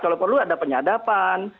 kalau perlu ada penyadapan